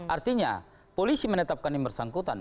artinya polisi menetapkan yang bersangkutan